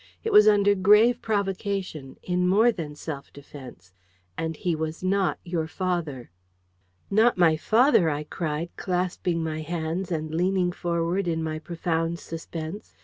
It was under grave provocation...in more than self defence...and he was NOT your father." "Not my father!" I cried, clasping my hands and leaning forward in my profound suspense.